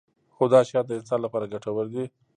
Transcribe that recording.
خو دا شیان د انسان لپاره ګټور دي.